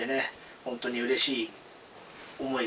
本当にうれしい思いがね。